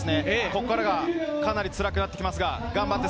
ここからがかなりつらくなってきます。